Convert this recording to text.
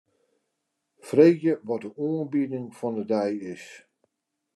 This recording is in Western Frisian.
Freegje wat de oanbieding fan 'e dei is.